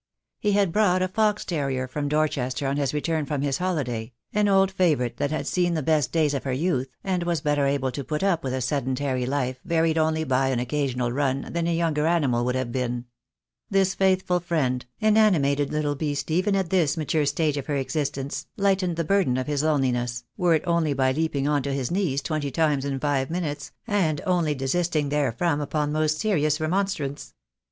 He had brought a fox terrier from Dorchester on his return from his holiday, an old favourite that had seen the best days of her youth, and was better able to put up with a sedentary life, varied only by an occasional run, than a younger animal would have been. This faithful friend, an animated little beast even at this mature stage of her existence, lightened the burden of his loneliness, were it only by leaping on to his knees twenty times in five minutes, and only desisting therefrom upon most serious remonstrance.